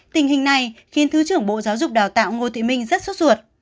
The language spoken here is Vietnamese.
tình hình này khiến thứ trưởng bộ giáo dục đào tạo ngô thị minh rất xuất suột